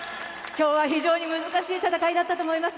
今日は非常に難しい戦いだったと思います。